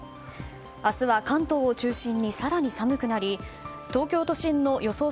明日は関東を中心に更に寒くなり東京都心の予想